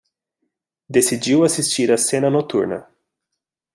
Decidiu assistir a cena noturna